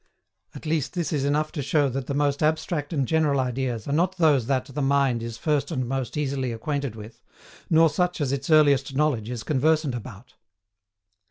At least this is enough to show that the most abstract and general ideas are not those that the mind is first and most easily acquainted with, nor such as its earliest knowledge is conversant about."